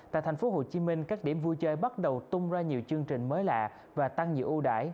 tại thành phố hồ chí minh các điểm vui chơi bắt đầu tung ra nhiều chương trình mới lạ và tăng dự ưu đải